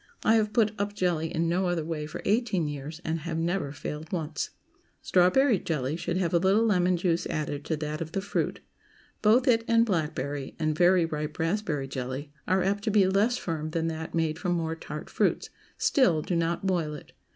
I have put up jelly in no other way for eighteen years, and have never failed once. Strawberry jelly should have a little lemon juice added to that of the fruit. Both it and blackberry, and very ripe raspberry jelly, are apt to be less firm than that made from more tart fruits; still, do not boil it.